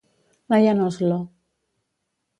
Lyn Oslo.